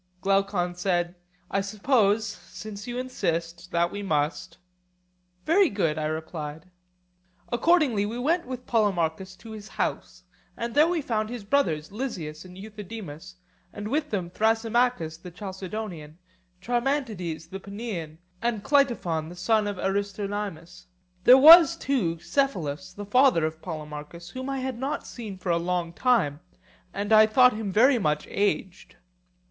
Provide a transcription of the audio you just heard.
Glaucon said: I suppose, since you insist, that we must. Very good, I replied. Accordingly we went with Polemarchus to his house; and there we found his brothers Lysias and Euthydemus, and with them Thrasymachus the Chalcedonian, Charmantides the Paeanian, and Cleitophon the son of Aristonymus. There too was Cephalus the father of Polemarchus, whom I had not seen for a long time, and I thought him very much aged.